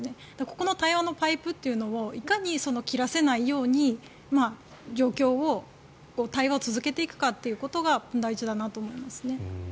この対話のパイプをいかに切らせないように状況を、対話を続けていくかということが大事だなと思います。